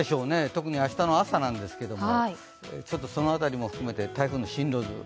特に明日の朝なんですけれども、その辺りも含めて台風の進路図。